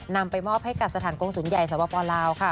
นำไปมอบให้กับสถานกงศูนย์ใหญ่สวปลาวค่ะ